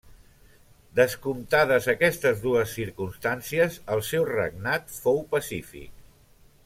Descomptades aquestes dues circumstàncies el seu regnat fou pacífic.